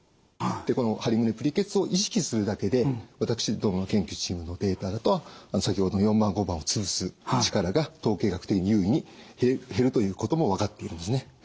このハリ胸プリけつを意識するだけで私どもの研究チームのデータだと先ほどの４番５番をつぶす力が統計学的に有意に減るということも分かっているんですね。